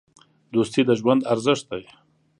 دوستي د ژوند ارزښت دی.